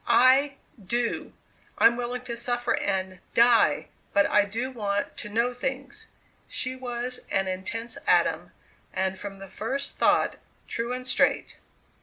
"I do! I'm willing to suffer and die, but I do want to know things." She was an intense atom, and from the first thought true and straight.